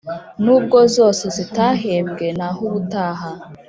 n’ubwo zose zitahembwe nahubutaha